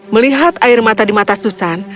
melihat air mata di mata susan